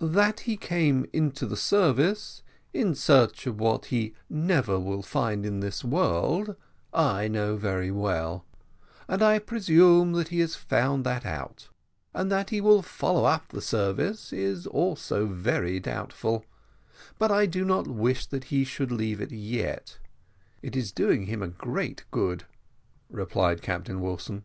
"That he came into the service in search of what he never will find in this world, I know very well; and I presume that he has found that out and that he will follow up the service is also very doubtful; but I do not wish that he should leave it yet; it is doing him great good," replied Captain Wilson.